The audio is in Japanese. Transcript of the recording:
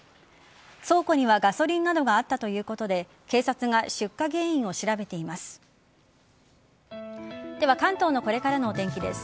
倉庫にはガソリンなどがあったということで警察が出火原因を調べています。